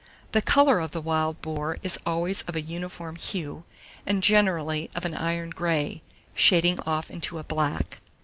The colour of the wild boar is always of a uniform hue, and generally of an iron grey; shading off into a black.